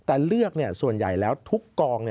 แต่เลือกส่วนใหญ่แล้วทุกกอง